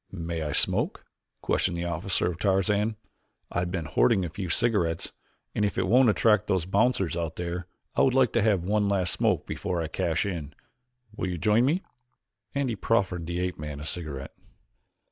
"May I smoke?" questioned the officer of Tarzan. "I have been hoarding a few cigarettes and if it won't attract those bouncers out there I would like to have one last smoke before I cash in. Will you join me?" and he proffered the ape man a cigarette.